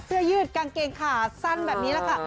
เสื้อยืดกางเกงขาสั้นแบบนี้ละค่ะ